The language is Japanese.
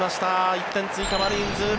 １点追加マリーンズ。